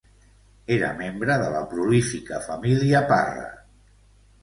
Era membre de la prolífica família Parra.